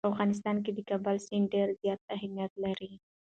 په افغانستان کې د کابل سیند ډېر زیات اهمیت لري.